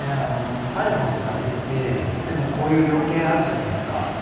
逮捕されて、でも、こういう量刑があるじゃないですか。